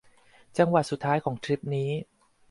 จังหวัดสุดท้ายของทริปนี้